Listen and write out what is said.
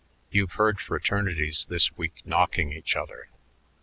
You've heard fraternities this week knocking each other.